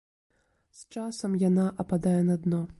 З часам яна ападае на дно.